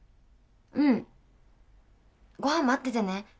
うんご飯待っててね。